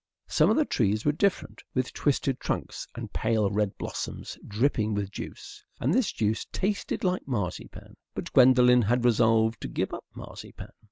Some of the trees were different, with twisted trunks, and pale red blossoms dripping with juice; and this juice tasted like marzipan, but Gwendolen had resolved to give up marzipan.